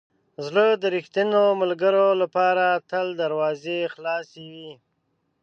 زړه د ریښتینو ملګرو لپاره تل دروازې خلاصوي.